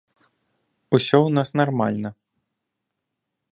Усё ў нас нармальна.